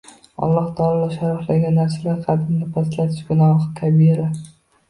Alloh taolo sharaflagan narsaning qadrini pastlatish – gunohi kabira.